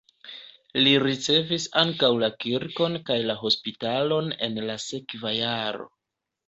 Li ricevis ankaŭ la kirkon kaj la hospitalon en la sekva jaro.